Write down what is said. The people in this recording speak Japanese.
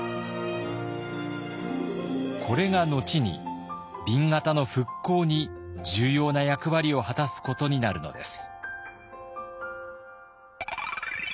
これが後に紅型の復興に重要な役割を果たすことになるのです。